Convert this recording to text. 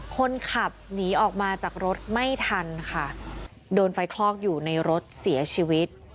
คนขับหนีออกมาจากรถไม่ทันค่ะโดนไฟคลอกอยู่ในรถเสียชีวิต